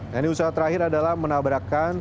nah ini usaha terakhir adalah menabrakan